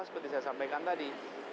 seperti saya sampaikan tadi